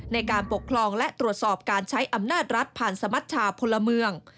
ในการปกครองและตรวจสอบการใช้อำนาจรัฐผ่านสมัชชาพลเมือง